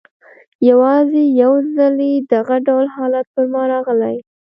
یوازي یو ځلې دغه ډول حالت پر ما راغلی.